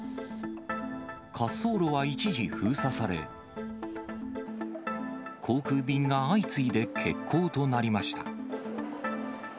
滑走路は一時封鎖され、航空便が相次いで欠航となりました。